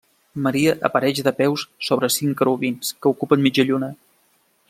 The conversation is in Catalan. Maria apareix de peus sobre cinc querubins que ocupen mitja lluna.